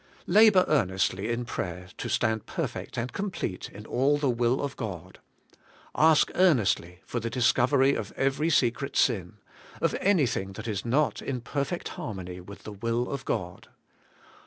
Labour earnestly in prayer to stand perfect and complete in all the will of God. Ask earnestly for the discovery of every secret sin — of anything that is not in perfect harmony with the will of God.